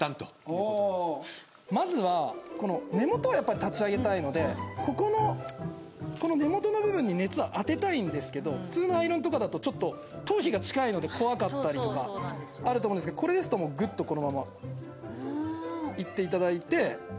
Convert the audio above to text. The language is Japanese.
まずはこの根元をやっぱり立ち上げたいのでここのこの根元の部分に熱を当てたいんですけど普通のアイロンとかだとちょっと頭皮が近いので怖かったりとかあると思うんですけどこれですともうぐっとこのままいっていただいて。